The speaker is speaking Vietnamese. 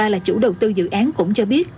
là chủ đầu tư dự án cũng cho biết